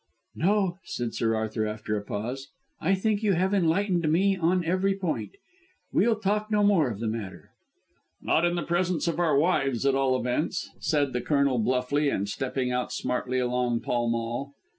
"No," said Sir Arthur after a pause. "I think you have enlightened me on every point. We'll talk no more of the matter." "Not in the presence of our wives, at all events," said the Colonel bluffly, and stepping out smartly along Pall Mall.